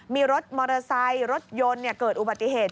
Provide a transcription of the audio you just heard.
มีรถมอเตอร์ไซค์รถยนต์เกิดอุบัติเหตุ